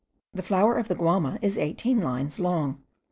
The flower of the guama is eighteen lines long.